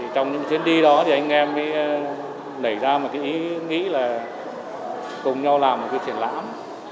trong những chuyến đi đó thì anh em mới nảy ra một cái ý nghĩ là cùng nhau làm một cái triển lãm